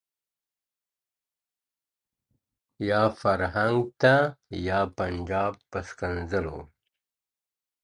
یا فرنګ ته یا پنجاب په ښکنځلو.